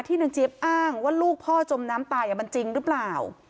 นางเจี๊ยบอ้างว่าลูกพ่อจมน้ำตายมันจริงหรือเปล่า